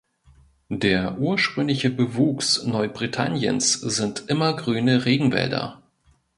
Der ursprüngliche Bewuchs Neubritanniens sind immergrüne Regenwälder.